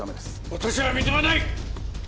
私は認めない！